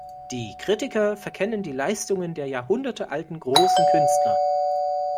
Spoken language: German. Die Kritiker verkennen die Leistungen der jahrhundertealten, großen Künstler.